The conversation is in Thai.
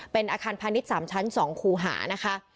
เป็นอาคารพาณิชย์๓ชั้น๒คูหานะคะ